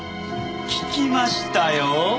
聞きましたよ。